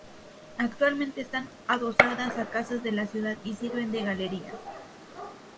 Actualmente están adosadas a casas de la ciudad y sirven de galerías.